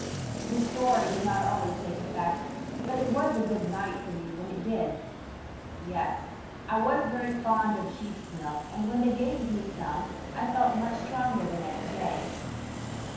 This story did not always take effect, but it was a good night for me when it did. Yes, I was very fond of sheep's milk and when they gave me some I felt much stronger the next day.